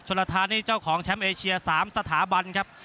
ลทานีเจ้าของแชมป์เอเชีย๓สถาบันครับ